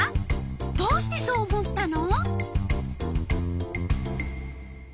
どうしてそう思ったの？